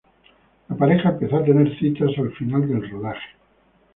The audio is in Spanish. La pareja empezó a tener citas al final del rodaje.